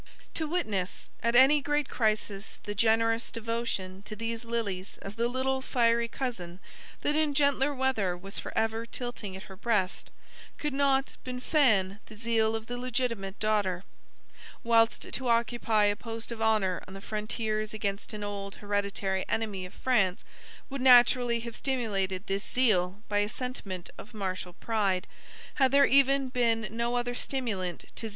To witness, at any great crisis, the generous devotion to these lilies of the little fiery cousin that in gentler weather was for ever tilting at her breast, could not bin fan the zeal of the legitimate daughter: whilst to occupy a post of honor on the frontiers against an old hereditary enemy of France, would naturally have stimulated this zeal by a sentiment of martial pride, had there even been no other stimulant to zeal by a sense of danger always threatening, and of hatred always smouldering.